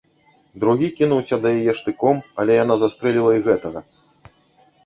Другі кінуўся да яе з штыком, але яна застрэліла і гэтага.